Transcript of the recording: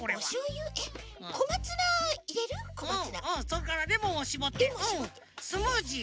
うんうんそれからレモンをしぼってスムージー！